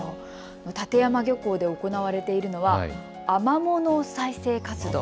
館山漁港で行われているのはアマモの再生活動。